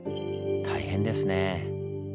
大変ですねぇ。